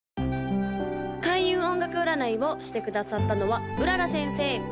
・開運音楽占いをしてくださったのは麗先生